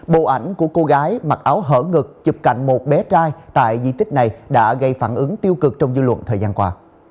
bộ ảnh của cô gái mặc áo hở ngực chụp cạnh một bé trai tại di tích này đã gây phản ứng tiêu cực trong dư luận thời gian qua